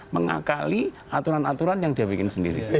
mengakali aturan aturan yang dia bikin sendiri